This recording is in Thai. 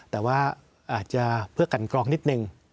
แต่ว่าอาจจะเพื่อกันกรองนิดนึง